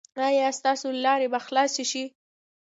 ایا ستاسو لارې به خلاصې شي؟